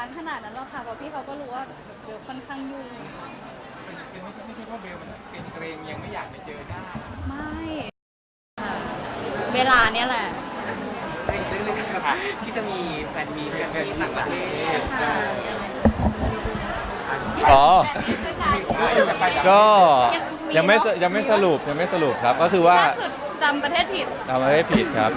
แสวได้ไงของเราก็เชียนนักอยู่ค่ะเป็นผู้ร่วมงานที่ดีมาก